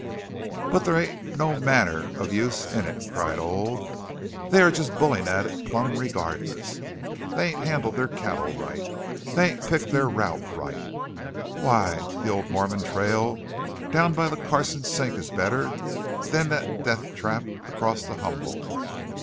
"But thar ain't no manner of use in it!" cried Old. "They are just bullin' at it plumb regardless! They ain't handled their cattle right! They ain't picked their route right why, the old Mormon trail down by the Carson Sink is better'n that death trap across the Humboldt.